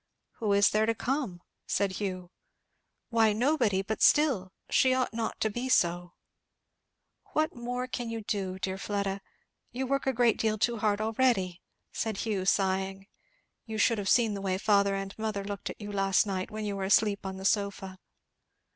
"Who is there to come?" said Hugh. "Why nobody; but still, she ought not to be so." "What more can you do, dear Fleda? You work a great deal too hard already," said Hugh sighing. "You should have seen the way father and mother looked at you last night when you were asleep on the sofa."